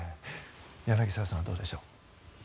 柳澤さんはどうでしょう？